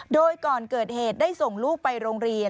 โดยก่อนเกิดเหตุได้ส่งลูกไปโรงเรียน